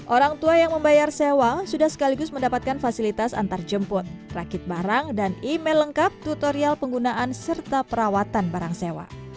orang tua yang membayar sewa sudah sekaligus mendapatkan fasilitas antarjemput rakit barang dan email lengkap tutorial penggunaan serta perawatan barang sewa